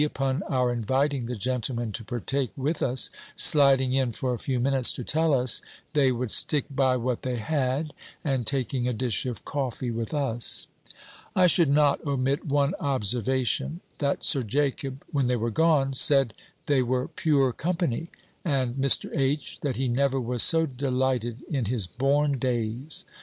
(upon our inviting the gentlemen to partake with us) sliding in for a few minutes to tell us, they would stick by what they had, and taking a dish of coffee with us. I should not omit one observation; that Sir Jacob, when they were gone, said they were pure company; and Mr. H. that he never was so delighted in his born days.